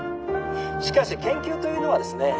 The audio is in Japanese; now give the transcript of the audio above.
しかし研究というのはですね